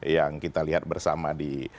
yang kita lihat bersama di